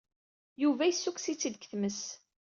Yuba yessukkes-itt-id seg tmes.